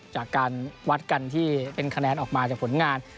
จากการวัดกันที่เป็นคะแนนออกมาจากผลงาน